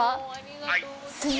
はい。